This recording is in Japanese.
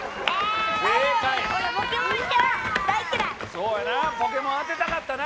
そうやな。